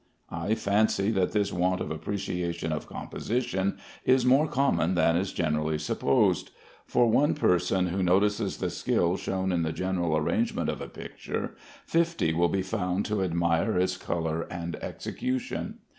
I fancy that this want of appreciation of composition is more common than is generally supposed. For one person who notices the skill shown in the general arrangement of a picture, fifty will be found to admire its color and execution.